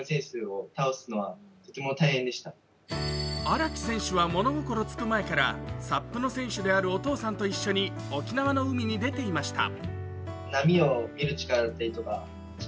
荒木選手は物心つく前からＳＵＰの選手であるお父さんと一緒に沖縄の海に出ていました。